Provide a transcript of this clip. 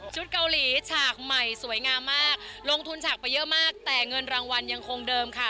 เกาหลีฉากใหม่สวยงามมากลงทุนฉากไปเยอะมากแต่เงินรางวัลยังคงเดิมค่ะ